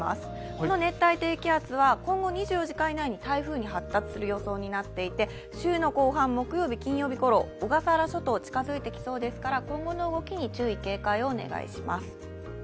この熱帯低圧は今後２４時間以内に台風に発達する予想になっていて、週の後半、木曜日、金曜日ごろ小笠原諸島に近づいてくるおそれがありますから今後の動きに注意、警戒をお願いします。